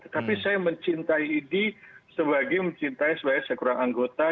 tapi saya mencintai idi sebagai mencintai sekurang anggota